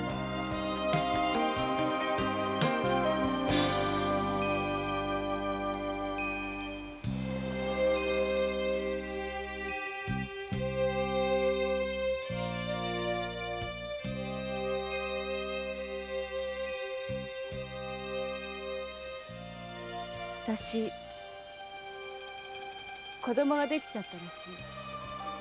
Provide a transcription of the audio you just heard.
あたし子供ができちゃったらしい。